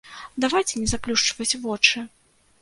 Давайце не заплюшчваць вочы!